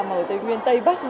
mời tây nguyên tây bắc